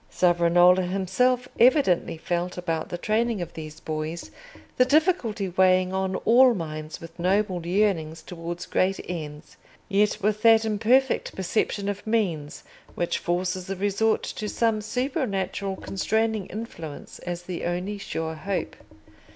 Savonarola himself evidently felt about the training of these boys the difficulty weighing on all minds with noble yearnings towards great ends, yet with that imperfect perception of means which forces a resort to some supernatural constraining influence as the only sure hope.